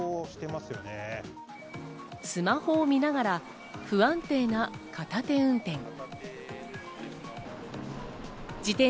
スマホを見ながら不安定な片手運転。